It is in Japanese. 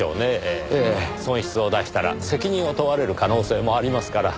損失を出したら責任を問われる可能性もありますから。